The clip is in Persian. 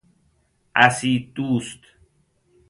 اسیددوست